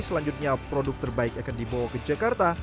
selanjutnya produk terbaik akan dibawa ke jakarta